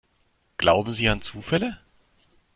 Glauben Sie an Zufälle?